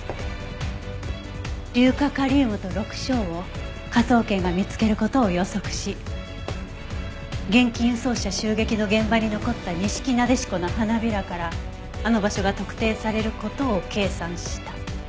硫化カリウムと緑青を科捜研が見つける事を予測し現金輸送車襲撃の現場に残ったニシキナデシコの花びらからあの場所が特定される事を計算した。